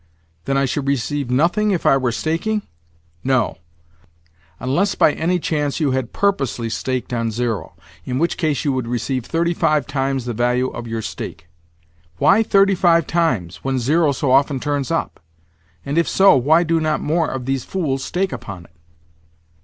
"Then I should receive nothing if I were staking?" "No; unless by any chance you had purposely staked on zero; in which case you would receive thirty five times the value of your stake." "Why thirty five times, when zero so often turns up? And if so, why do not more of these fools stake upon it?"